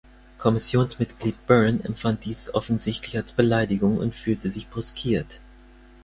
Kommissionsmitglied Byrne empfand dies offensichtlich als Beleidigung und fühlte sich brüskiert.